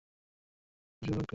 কুসুম রাগ করিয়াছে না কি!